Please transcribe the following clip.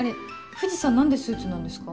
藤さん何でスーツなんですか？